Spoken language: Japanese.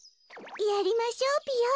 やりましょうぴよ。